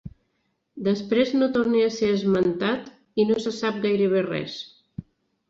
Després no torna a ser esmentat i no se sap gairebé res.